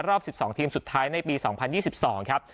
รอบ๑๒ทีมสุดท้ายในปี๒๐๒๒ครับ